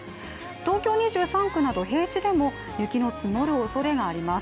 東京２３区など、平地でも雪の積もるおそれがあります。